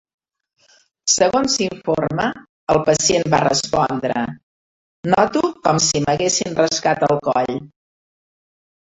Segons s'informa, el pacient va respondre: "Noto com si m'haguessin rascat el coll".